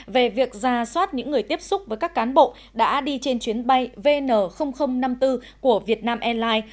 về việc ra soát những người tiếp xúc với các cán bộ đã đi trên chuyến bay vn năm mươi bốn của việt nam airlines